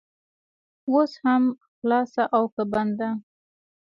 اوس هم خلاصه او که بنده؟